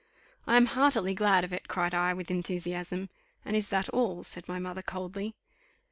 "I am heartily glad of it!" cried I, with enthusiasm. "And is that all?" said my mother, coldly.